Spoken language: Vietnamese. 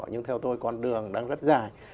nhưng theo tôi con đường đang rất dài